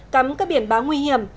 cắm các biển bá nguy hiểm